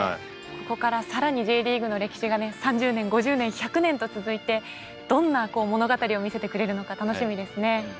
ここから更にＪリーグの歴史がね３０年５０年１００年と続いてどんな物語を見せてくれるのか楽しみですね。